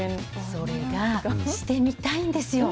それが、してみたいんですよ。